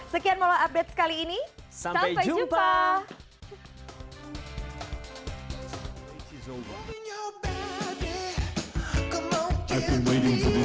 sekian mola update kali ini